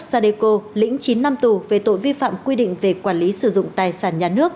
tổng giám đốc sadeco lĩnh chín năm tù về tội vi phạm quy định về quản lý sử dụng tài sản nhà nước